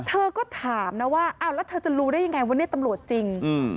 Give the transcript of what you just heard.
เธอก็ถามนะว่าอ้าวแล้วเธอจะรู้ได้ยังไงว่านี่ตำรวจจริง